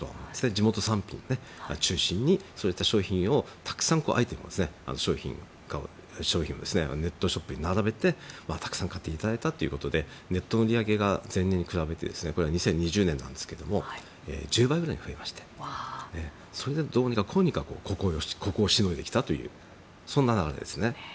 地元産品を中心にそういった商品をネットショップに並べてたくさん買っていただいたということでネットの売り上げが前年に比べてこれは２０２０年なんですけど１０倍くらい増えましてそれで、どうにかこうにかここをしのいできたというそんな流れですね。